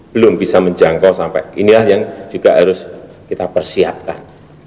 belum bisa menjangkau sampai inilah yang juga harus kita persiapkan